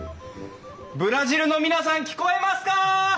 ブラジルの皆さん聞こえますか！